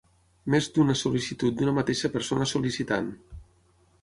Més d'una sol·licitud d'una mateixa persona sol·licitant.